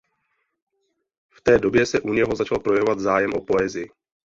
V té době se u něho začal projevovat zájem o poezii.